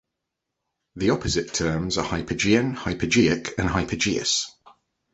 The opposite terms are hypogean, hypogeic and hypogeous.